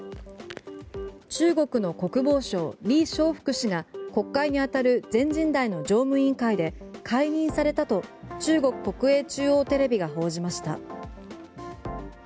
中国の国防相リ・ショウフク氏が国会にあたる全人代の常務委員会で解任されたと中国国営中央テレビが報じました。